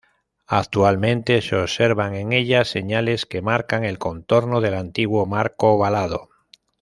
Actualmente se observan en ella señales que marcan el contorno del antiguo marco ovalado.